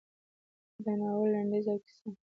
د ناول لنډیز او کیسه: